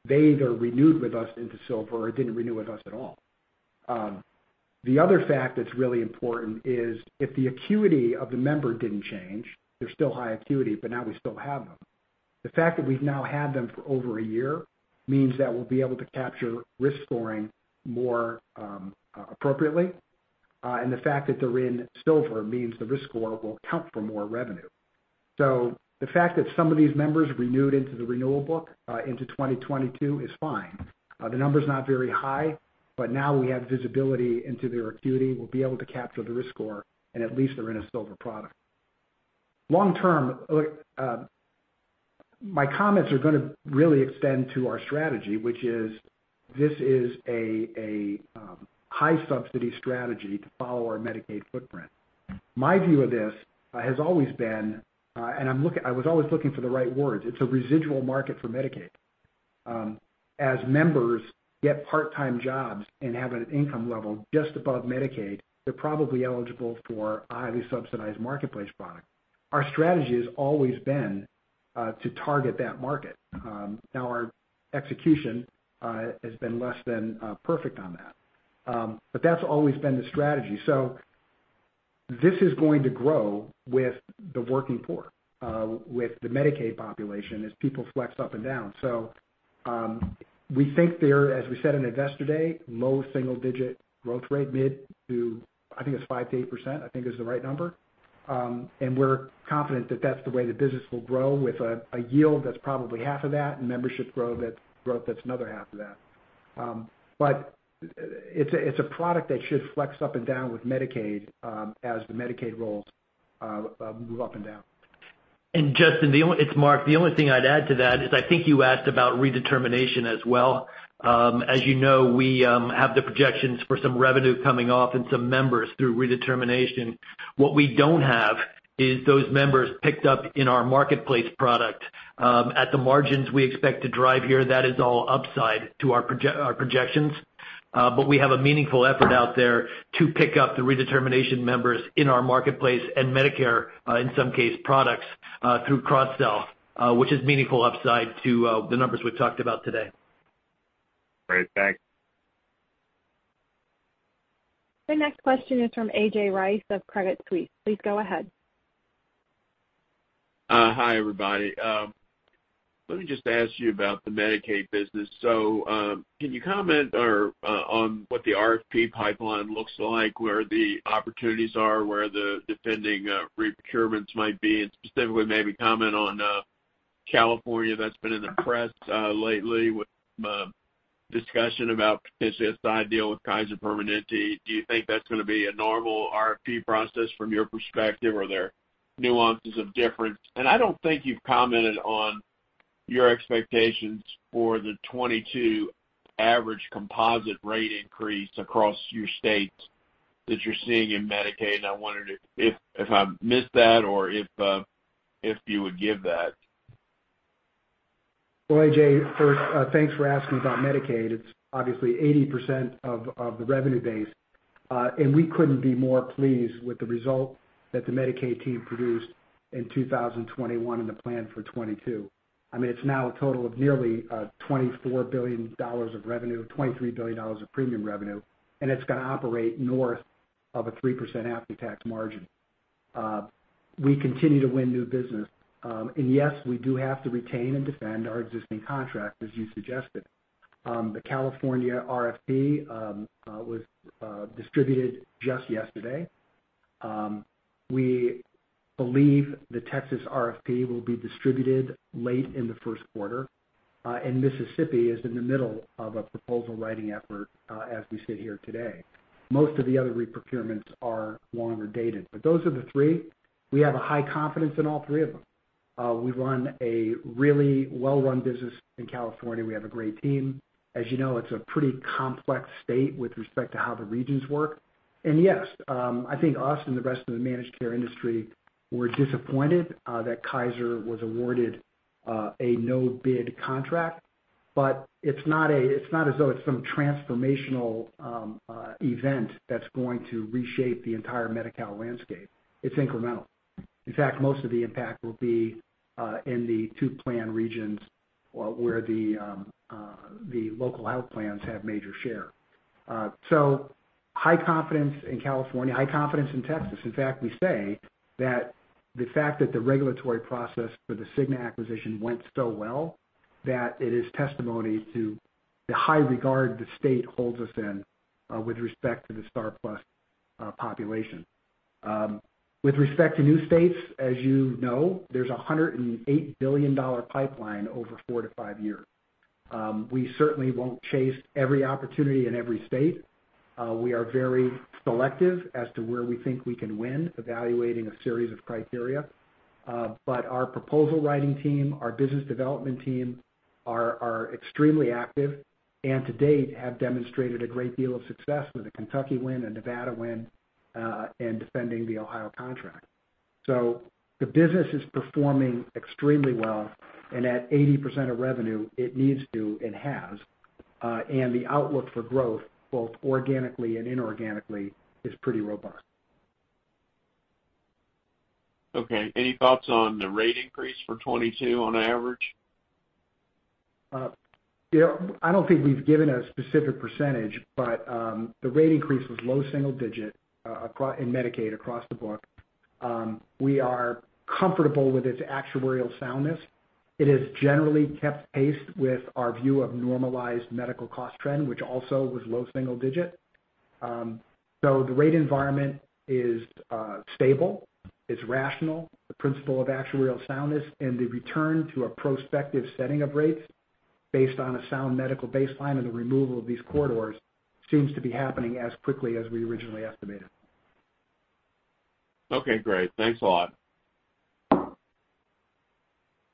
they either renewed with us into silver or didn't renew with us at all. The other fact that's really important is if the acuity of the member didn't change, they're still high acuity, but now we still have them. The fact that we've now had them for over a year means that we'll be able to capture risk scoring more appropriately. The fact that they're in Silver means the risk score will count for more revenue. The fact that some of these members renewed into the renewal book into 2022 is fine. The number's not very high, but now we have visibility into their acuity. We'll be able to capture the risk score, and at least they're in a Silver product. Long term, my comments are gonna really extend to our strategy, which is this is a high subsidy strategy to follow our Medicaid footprint. My view of this has always been, I was always looking for the right words. It's a residual market for Medicaid. As members get part-time jobs and have an income level just above Medicaid, they're probably eligible for a highly subsidized Marketplace product. Our strategy has always been to target that market. Now our execution has been less than perfect on that. That's always been the strategy. This is going to grow with the working poor with the Medicaid population as people flex up and down. We think they're, as we said in Investor Day, low single digit growth rate, mid- to, I think, it's 5%-8%, I think is the right number. We're confident that that's the way the business will grow with a yield that's probably half of that and membership growth that's another half of that. It's a product that should flex up and down with Medicaid as the Medicaid rolls move up and down. Justin, it's Mark. The only thing I'd add to that is I think you asked about redetermination as well. As you know, we have the projections for some revenue coming off and some members through redetermination. What we don't have is those members picked up in our Marketplace product. At the margins we expect to drive here, that is all upside to our projections. We have a meaningful effort out there to pick up the redetermination members in our Marketplace and Medicare, in some cases products, through cross-sell, which is meaningful upside to the numbers we've talked about today. Great. Thanks. The next question is from A.J. Rice of Credit Suisse. Please go ahead. Hi, everybody. Let me just ask you about the Medicaid business. Can you comment on what the RFP pipeline looks like, where the opportunities are, where the defending procurements might be, and specifically maybe comment on California that's been in the press lately with discussion about potential side deal with Kaiser Permanente. Do you think that's gonna be a normal RFP process from your perspective? Are there nuances of difference? I don't think you've commented on your expectations for the 22% average composite rate increase across your states that you're seeing in Medicaid. I wondered if I missed that or if you would give that. Well, A.J., first, thanks for asking about Medicaid. It's obviously 80% of the revenue base. We couldn't be more pleased with the result that the Medicaid team produced in 2021 and the plan for 2022. I mean, it's now a total of nearly $24 billion of revenue, $23 billion of premium revenue, and it's gonna operate north of a 3% after-tax margin. We continue to win new business. Yes, we do have to retain and defend our existing contract, as you suggested. The California RFP was distributed just yesterday. We believe the Texas RFP will be distributed late in the first quarter, and Mississippi is in the middle of a proposal writing effort, as we sit here today. Most of the other reprocurements are longer dated. Those are the three. We have a high confidence in all three of them. We run a really well-run business in California. We have a great team. As you know, it's a pretty complex state with respect to how the regions work. Yes, I think us and the rest of the managed care industry were disappointed that Kaiser was awarded a no-bid contract. It's not as though it's some transformational event that's going to reshape the entire Medi-Cal landscape. It's incremental. In fact, most of the impact will be in the two plan regions where the local health plans have major share. High confidence in California, high confidence in Texas. In fact, we say that the fact that the regulatory process for the Cigna acquisition went so well that it is testimony to the high regard the state holds us in, with respect to the STAR+PLUS population. With respect to new states, as you know, there's a $108 billion pipeline over 4-5 years. We certainly won't chase every opportunity in every state. We are very selective as to where we think we can win, evaluating a series of criteria. Our proposal writing team, our business development team are extremely active, and to date have demonstrated a great deal of success with a Kentucky win, a Nevada win, and defending the Ohio contract. The business is performing extremely well. At 80% of revenue, it needs to and has, and the outlook for growth, both organically and inorganically, is pretty robust. Okay. Any thoughts on the rate increase for 2022 on average? You know, I don't think we've given a specific percentage, but the rate increase was low single-digit in Medicaid across the board. We are comfortable with its actuarial soundness. It has generally kept pace with our view of normalized medical cost trend, which also was low single-digit. The rate environment is stable, it's rational, the principle of actuarial soundness, and the return to a prospective setting of rates based on a sound medical baseline and the removal of these corridors seems to be happening as quickly as we originally estimated. Okay, great. Thanks a lot.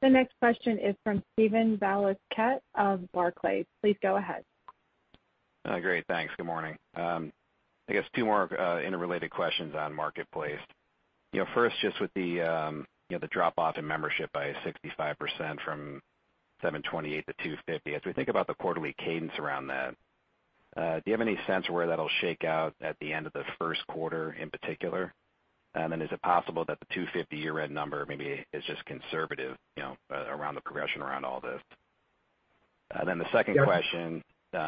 The next question is from Steven Valiquette of Barclays. Please go ahead. Great, thanks. Good morning. I guess two more interrelated questions on Marketplace. You know, first, just with the drop off in membership by 65% from 728 to 250. As we think about the quarterly cadence around that, do you have any sense where that'll shake out at the end of the first quarter in particular? Is it possible that the 250 year-end number maybe is just conservative, you know, around the progression around all this? The second question,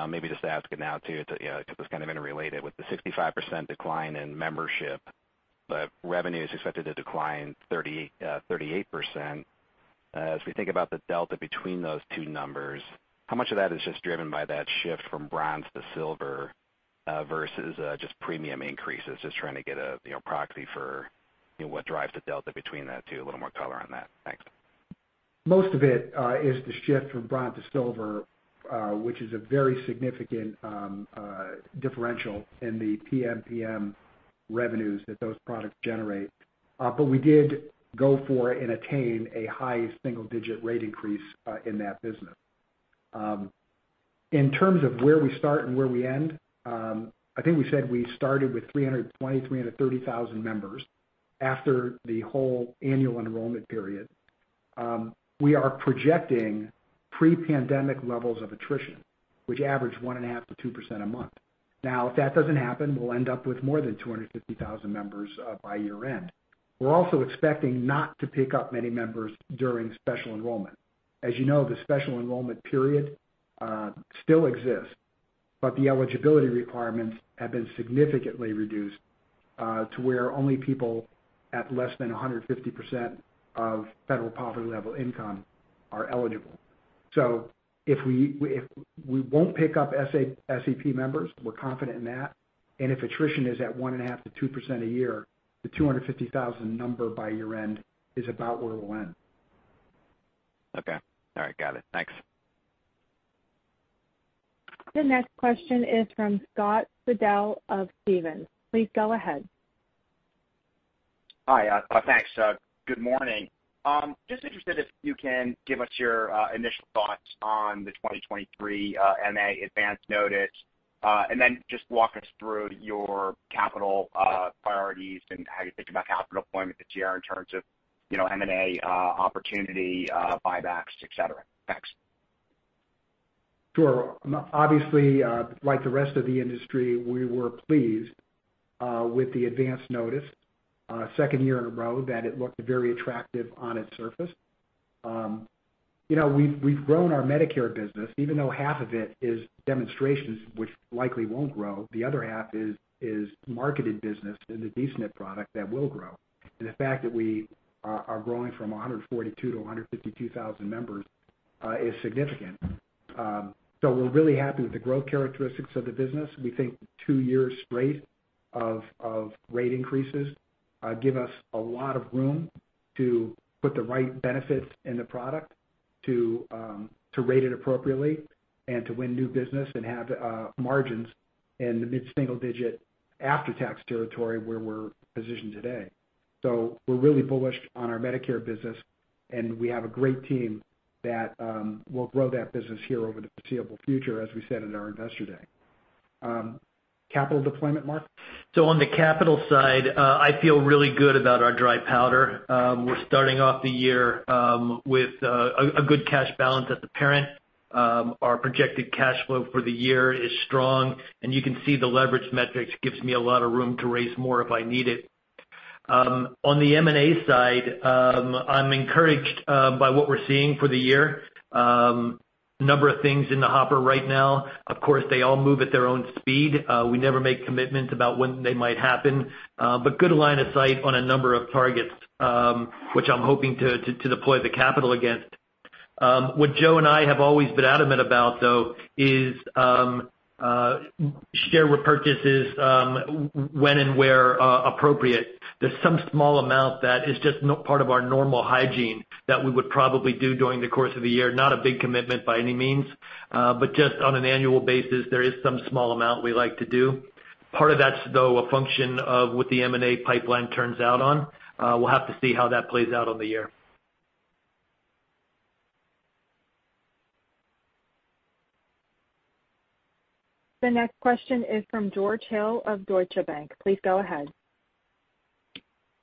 maybe just to ask it now too, you know, because it's kind of interrelated. With the 65% decline in membership, the revenue is expected to decline 38%. As we think about the delta between those two numbers, how much of that is just driven by that shift from bronze to silver, versus, just premium increases? Just trying to get a, you know, proxy for, you know, what drives the delta between that too, a little more color on that. Thanks. Most of it is the shift from bronze to silver, which is a very significant differential in the PMPM revenues that those products generate. We did go for and attain a high single-digit rate increase in that business. In terms of where we start and where we end, I think we said we started with 320-330,000 members after the whole annual enrollment period. We are projecting pre-pandemic levels of attrition, which average 1.5%-2% a month. Now, if that doesn't happen, we'll end up with more than 250,000 members by year-end. We're also expecting not to pick up many members during special enrollment. As you know, the special enrollment period still exists, but the eligibility requirements have been significantly reduced to where only people at less than 150% of federal poverty level income are eligible. If we won't pick up SA-SEP members, we're confident in that. If attrition is at 1.5%-2% a year, the 250,000 number by year end is about where we'll end. Okay. All right, got it. Thanks. The next question is from Scott Fidel of Stephens. Please go ahead. Hi, thanks. Good morning. Just interested if you can give us your initial thoughts on the 2023 MA advance notice, and then just walk us through your capital priorities and how you think about capital deployment this year in terms of, you know, M&A opportunity, buybacks, et cetera. Thanks. Sure. Obviously, like the rest of the industry, we were pleased with the advanced notice, second year in a row that it looked very attractive on its surface. You know, we've grown our Medicare business, even though half of it is demonstrations, which likely won't grow. The other half is marketed business in the D-SNP product that will grow. The fact that we are growing from 142,000 to 152,000 members is significant. We're really happy with the growth characteristics of the business. We think 2 years straight of rate increases give us a lot of room to put the right benefits in the product to rate it appropriately and to win new business and have margins in the mid-single digit after-tax territory where we're positioned today. We're really bullish on our Medicare business, and we have a great team that will grow that business here over the foreseeable future, as we said at our Investor Day. Capital deployment, Mark? On the capital side, I feel really good about our dry powder. We're starting off the year with a good cash balance at the parent. Our projected cash flow for the year is strong, and you can see the leverage metrics gives me a lot of room to raise more if I need it. On the M&A side, I'm encouraged by what we're seeing for the year. Number of things in the hopper right now. Of course, they all move at their own speed. We never make commitments about when they might happen. Good line of sight on a number of targets, which I'm hoping to deploy the capital against. What Joe and I have always been adamant about, though, is share repurchases when and where appropriate. There's some small amount that is just part of our normal hygiene that we would probably do during the course of the year. Not a big commitment by any means, just on an annual basis, there is some small amount we like to do. Part of that's though a function of what the M&A pipeline turns out to. We'll have to see how that plays out over the year. The next question is from George Hill of Deutsche Bank. Please go ahead.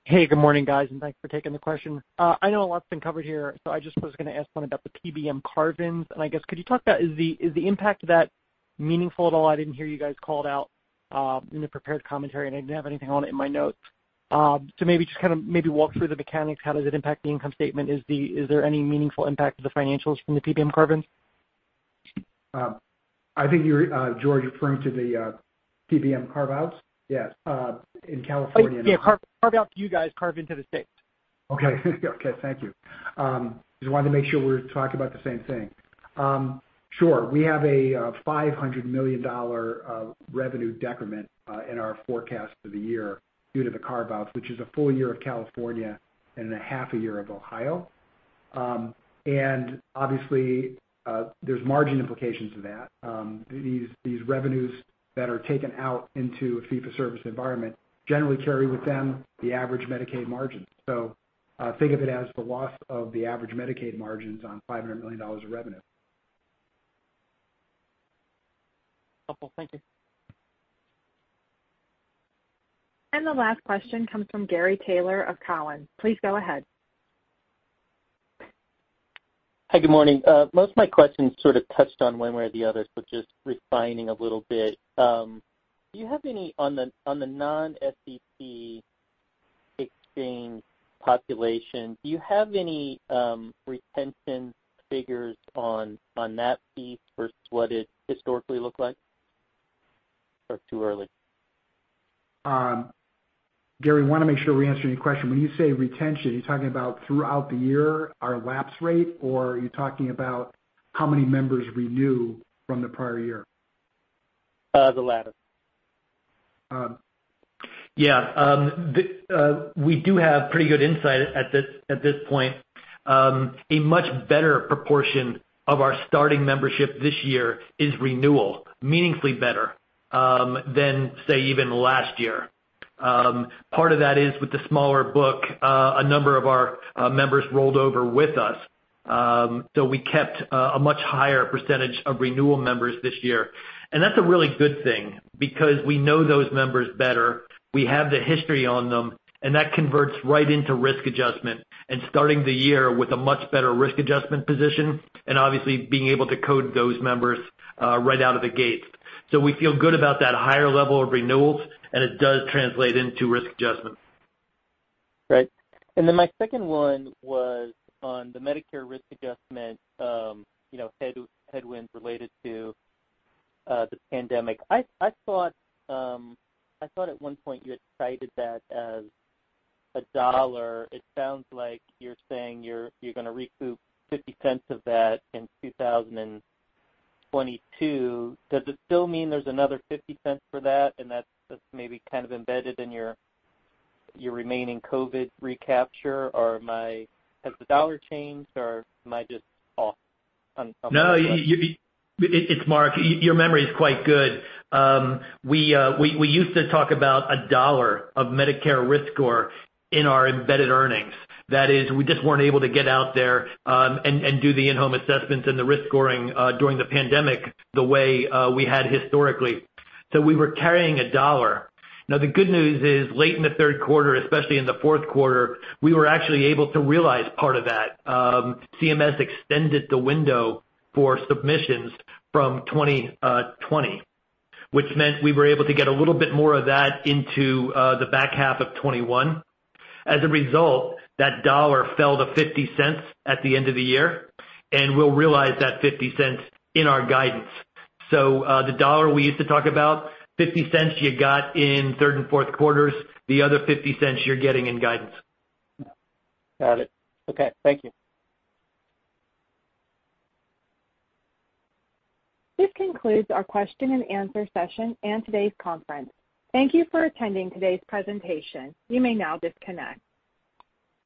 Hey, good morning, guys, and thanks for taking the question. I know a lot's been covered here, so I just was gonna ask one about the PBM carve-outs. I guess could you talk about the impact of that meaningful at all? I didn't hear you guys call it out in the prepared commentary, and I didn't have anything on it in my notes. So maybe just kinda walk through the mechanics. How does it impact the income statement? Is there any meaningful impact to the financials from the PBM carve-outs? I think you're, George, referring to the PBM carve-outs? Yes. In California and Yeah. Carve-out to you guys, carve into the states. Okay. Okay, thank you. Just wanted to make sure we were talking about the same thing. Sure. We have a $500 million revenue decrement in our forecast for the year due to the carve-outs, which is a full year of California and a half a year of Ohio. Obviously, there's margin implications of that. These revenues that are taken out into a fee-for-service environment generally carry with them the average Medicaid margin. Think of it as the loss of the average Medicaid margins on $500 million of revenue. Helpful. Thank you. The last question comes from Gary Taylor of Cowen. Please go ahead. Hi, good morning. Most of my questions sort of touched on one way or the other, so just refining a little bit. Do you have any retention figures on the non-SEP exchange population versus what it historically looked like? Or too early? Gary, wanna make sure we answer your question. When you say retention, are you talking about throughout the year, our lapse rate, or are you talking about how many members renew from the prior year? The latter. Um. Yeah. We do have pretty good insight at this point. A much better proportion of our starting membership this year is renewal, meaningfully better than, say, even last year. Part of that is with the smaller book, a number of our members rolled over with us. We kept a much higher percentage of renewal members this year. That's a really good thing because we know those members better, we have the history on them, and that converts right into risk adjustment and starting the year with a much better risk adjustment position and obviously being able to code those members right out of the gate. We feel good about that higher level of renewals, and it does translate into risk adjustment. Right. My second one was on the Medicare risk adjustment, you know, headwinds related to this pandemic. I thought at one point you had cited that as $1. It sounds like you're saying you're gonna recoup $0.50 of that in 2022. Does it still mean there's another $0.50 for that, and that's maybe kind of embedded in your remaining COVID recapture? Or has the dollar changed, or am I just off on some of that? No, it's Mark. Your memory is quite good. We used to talk about $1 of Medicare risk score in our embedded earnings. That is, we just weren't able to get out there and do the in-home assessments and the risk scoring during the pandemic the way we had historically. We were carrying $1. Now, the good news is, late in the third quarter, especially in the fourth quarter, we were actually able to realize part of that. CMS extended the window for submissions from 2020, which meant we were able to get a little bit more of that into the back half of 2021. As a result, that $1 fell to $0.50 at the end of the year, and we'll realize that $0.50 in our guidance. The dollar we used to talk about, $0.50 you got in third and fourth quarters, the other $0.50 you're getting in guidance. Got it. Okay, thank you. This concludes our question-and-answer session and today's conference. Thank you for attending today's presentation. You may now disconnect.